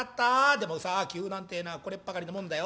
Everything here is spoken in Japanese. でもさあ灸なんてぇのはこれっぱかりのもんだよ。